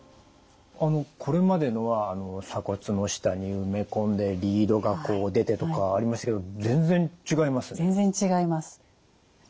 これまでのは鎖骨の下に植え込んでリードがこう出てとかありましたけど全然違いますね。